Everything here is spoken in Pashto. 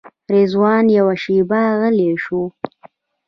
رضوان یوه شېبه غلی شو.